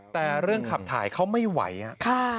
แต่เรื่องขับทายเขาไม่ไหวอ่ะ